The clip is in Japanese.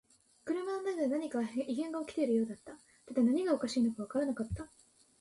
車の中で何か異変が起きているようだった。ただ何がおかしいのかわからなかった。